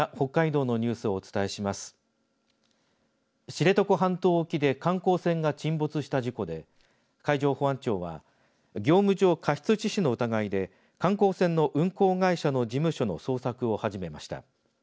知床半島沖で観光船が沈没した事故で海上保安庁は業務上過失致死の疑いで観光船の運航会社の事務所の捜索を始めました。